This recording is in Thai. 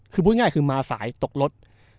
คือพูดง่ายคือมาสายตกรถ